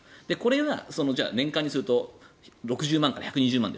これが年間になってくると１６０万から１２０万。